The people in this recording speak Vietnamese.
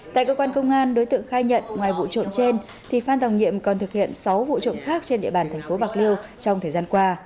tại cơ quan công an đối tượng khai nhận ngoài vụ trộm trên thì phan đồng nhiệm còn thực hiện sáu vụ trộm khác trên địa bàn thành phố bạc liêu trong thời gian qua